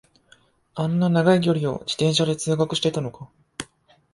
あんな長い距離を自転車で通学してたのか